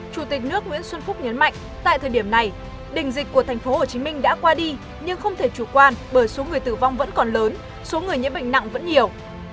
chủ tịch nước nguyễn xuân phúc nhấn mạnh tại thời điểm này đỉnh dịch của tp hcm đã qua đi nhưng không thể chủ quan bởi số người tử vong vẫn còn lớn số người nhiễm bệnh nặng vẫn nhiều